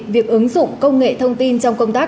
việc ứng dụng công nghệ thông tin trong công tác